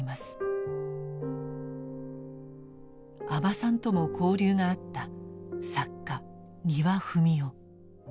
阿満さんとも交流があった作家丹羽文雄。